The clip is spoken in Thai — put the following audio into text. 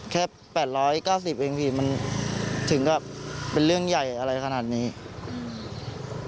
แปดร้อยเก้าสิบเองพี่มันถึงกับเป็นเรื่องใหญ่อะไรขนาดนี้อืม